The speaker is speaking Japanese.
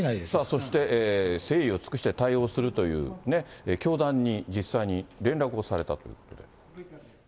そして、誠意を尽くして対応するという教団に実際に連絡をされたという。